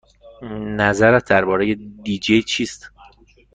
نظرت درباره دی جی چیست؟